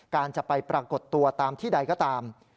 การจะไปปรากฏตัวตามที่ใดก็ตาม